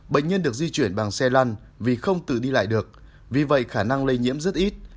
bệnh nhân được di chuyển bằng xe lăn vì không tự đi lại được vì vậy khả năng lây nhiễm rất ít